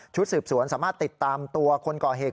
สืบสวนสามารถติดตามตัวคนก่อเหตุ